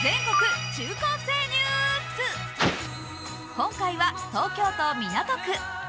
今回は東京都港区。